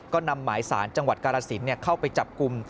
ก็นำหมายสารจังหวัดกาลสินเข้าไปจับกลุ่ม